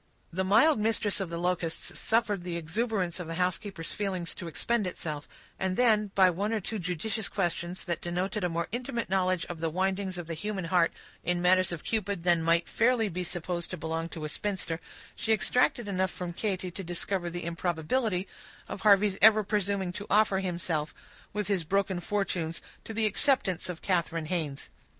The mild mistress of the Locusts suffered the exuberance of the housekeeper's feelings to expend itself, and then, by one or two judicious questions, that denoted a more intimate knowledge of the windings of the human heart in matters of Cupid than might fairly be supposed to belong to a spinster, she extracted enough from Katy to discover the improbability of Harvey's ever presuming to offer himself, with his broken fortunes, to the acceptance of Katharine Haynes.